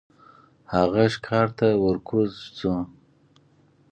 هغه ښکار ته ور کوز شو.